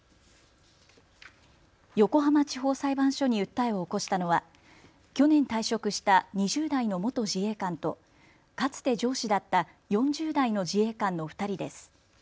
横浜地方裁判所に訴えを起こしたのは去年退職した２０代の元自衛官とかつて上司だった４０代の自衛官の２人です。